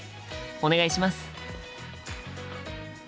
お願いします。